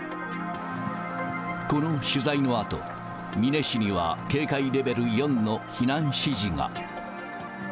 この取材のあと、美祢市には警戒レベル４の避難指示が。